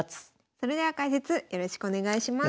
それでは解説よろしくお願いします。